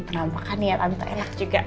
mereka akan klik